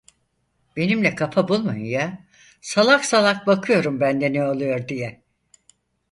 Benimle kafa bulmayın ya, salak salak bakıyorum ben de ne oluyor diye.